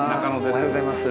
おはようございます。